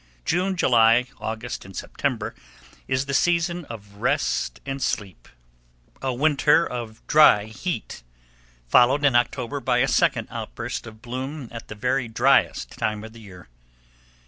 June, July, August, and September is the season of rest and sleep,—a winter of dry heat,—followed in October by a second outburst of bloom at the very driest time of the year.